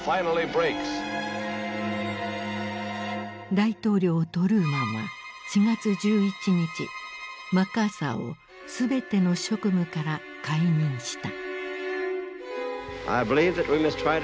大統領トルーマンは４月１１日マッカーサーをすべての職務から解任した。